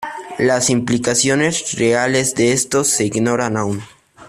Las implicaciones reales de esto, se ignoran aún.